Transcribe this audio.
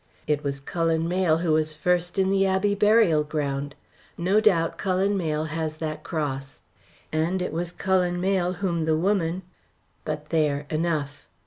It was Cullen Mayle who was first in the Abbey burial ground. No doubt Cullen Mayle has that cross. And it was Cullen Mayle whom the woman But, there, enough."